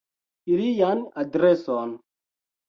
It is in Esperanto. Ilian adreson.